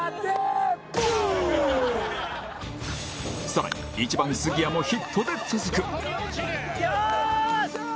更に１番杉谷もヒットで続くよーし！